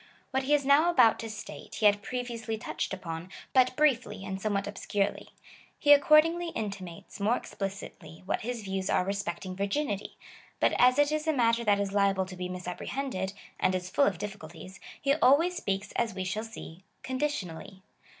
What he is now about to state he had previously touched upon, but briefly and somewhat obscurely. He accordingly intimates more explicitly what his views are respecting virginity; but as it is a matter that is liable to 1 See p. 248. 252 COMMENTARY ON THE CHAP. VII. 25. be misapprcliended, and is full of difficulties, he always sjoeaks; as we shall see, conditionally.